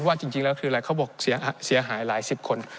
ว่าจริงแล้วคืออะไรเขาบอกเสียหายหลายสิบคน